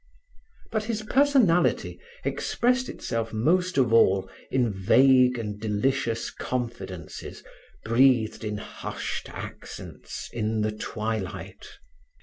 But his personality expressed itself most of all in vague and delicious confidences breathed in hushed accents, in the twilight.